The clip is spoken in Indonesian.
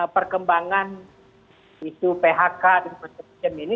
perkembangan isu phk dan perception ini